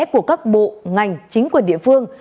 của các bộ ngành chính quyền địa phương